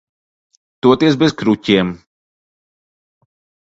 Toties bez kruķiem.